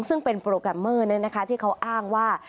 ซึ่งเป็นโปรแกรมเมอร์เนี่ยนะคะที่เขาอ้างว่า